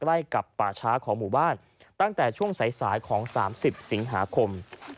ใกล้กับป่าช้าของหมู่บ้านตั้งแต่ช่วงสายของ๓๐สิงหาคม